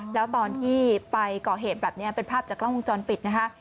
แล้วตอนที่ไปก่อเหตุแบบนี้เป็นภาพจากกล้องวงจรปิดนะคะ